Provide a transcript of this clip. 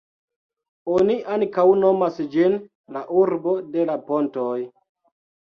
Oni ankaŭ nomas ĝin "La urbo de la pontoj".